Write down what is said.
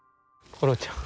コロちゃん。